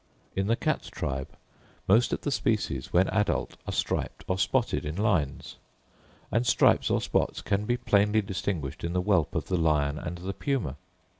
In the cat tribe, most of the species when adult are striped or spotted in lines; and stripes or spots can be plainly distinguished in the whelp of the lion and the puma.